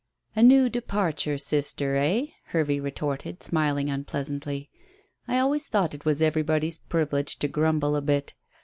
"A new departure, sister, eh?" Hervey retorted, smiling unpleasantly. "I always thought it was everybody's privilege to grumble a bit.